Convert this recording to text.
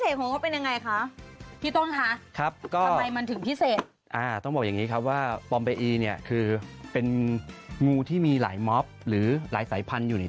เออพูดมาก่อนว่าตัวละ๕๕๐๐๐๐บาทตัวไหนคะขอโชว์ตัวหน่อยคะเปิดตัวปอมเปอี่